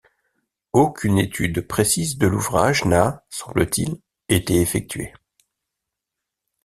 Aucune étude précise de l'ouvrage n'a, semble-t-il, été effectuée.